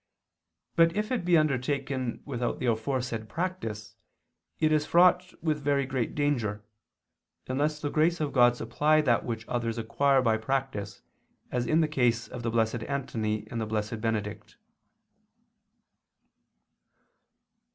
But if it be undertaken without the aforesaid practice, it is fraught with very great danger, unless the grace of God supply that which others acquire by practice, as in the case of the Blessed Antony and the Blessed Benedict.